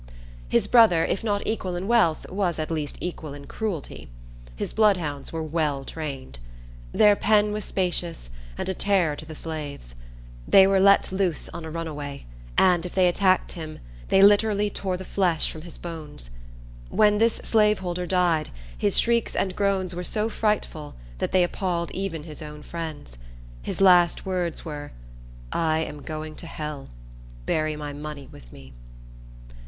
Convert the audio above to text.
His brother, if not equal in wealth, was at least equal in cruelty. His bloodhounds were well trained. Their pen was spacious, and a terror to the slaves. They were let loose on a runway, and, if they tracked him, they literally tore the flesh from his bones. When this slaveholder died, his shrieks and groans were so frightful that they appalled his own friends. His last words were, "I am going to hell; bury my money with me."